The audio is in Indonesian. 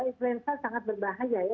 influenza sangat berbahaya